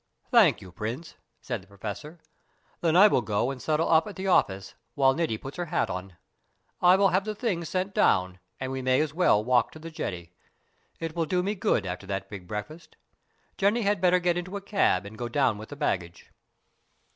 "Thank you, Prince," said the Professor. "Then I will go and settle up at the office while Niti puts her hat on. I will have the things sent down, and we may as well walk to the jetty. It will do me good after that big breakfast. Jenny had better get into a cab and go down with the luggage."